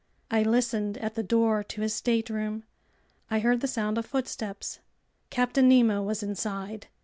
I listened at the door to his stateroom. I heard the sound of footsteps. Captain Nemo was inside.